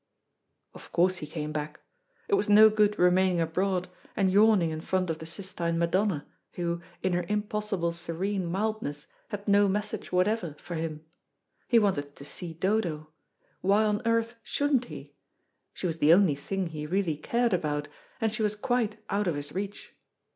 Of course he came back; it was no good remaining abroad, and yawning in front of the Sistine Madonna, who, in her impossible serene mildness, had no message whatever for him. He wanted to see Dodo; why on earth shouldn't he? She was the only thing he really cared about, and she was quite out of his reach.